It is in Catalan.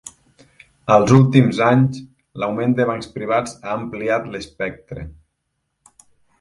Als últims anys, l"augment de bancs privats ha ampliat l"espectre.